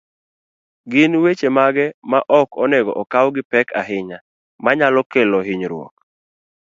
gin weche mage ma ok onego okaw gi pek ahinya, manyalo kelo hinyruok